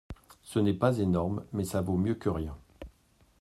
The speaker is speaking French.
Ce n'est pas énorme ; mais ça vaut mieux que rien.